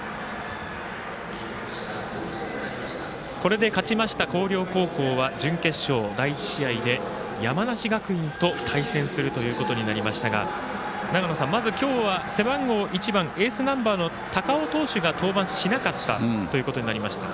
これで勝ちました広陵高校は準決勝第１試合で山梨学院と対戦するということになりましたが長野さん、まず今日は背番号１番エースナンバーの高尾投手が登板しなかったということになりました。